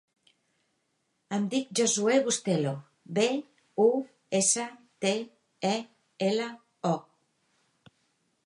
Em dic Josuè Bustelo: be, u, essa, te, e, ela, o.